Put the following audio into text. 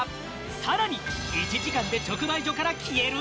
さらに１時間で直売所から消える？